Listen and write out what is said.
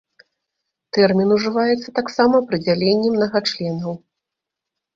Тэрмін ужываецца таксама пры дзяленні мнагачленаў.